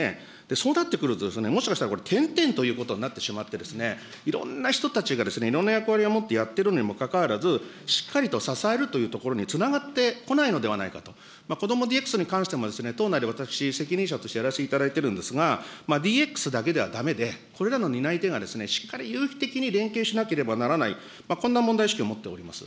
そうなってくると、もしかしたらこれ、てんてんということになってしまって、いろんな人たちがいろんな役割を持ってやってるにもかかわらず、しっかりと支えるというところにつながってこないのではないかと、こどもＤＸに関しても、党内で私、責任者としてやらせていただいているんですが、ＤＸだけではだめで、これらの担い手がしっかり的に連携しなければならない、こんな問題意識を持っております。